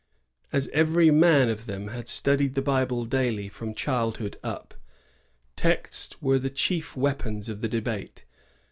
As every man of them had studied the Bible daily from childhood up, texts were the chief weapons of the debate.